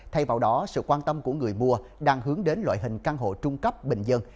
thay vào đó sự quan tâm của người mua đang hướng đến loại hình căn hộ trung cấp bình dân